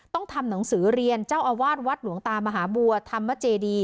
ทำหนังสือเรียนเจ้าอาวาสวัดหลวงตามหาบัวธรรมเจดี